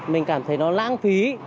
mình cảm thấy nó lãng phí